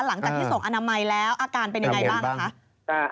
หลังจากที่ส่งอนามัยแล้วอาการเป็นยังไงบ้างคะ